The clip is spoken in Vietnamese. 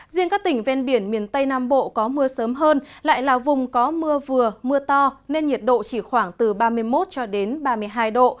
riêng các tỉnh ven biển miền tây nam bộ có mưa sớm hơn lại là vùng có mưa vừa mưa to nên nhiệt độ chỉ khoảng từ ba mươi một cho đến ba mươi hai độ